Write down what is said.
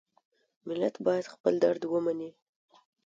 ملت باید خپل درد ومني.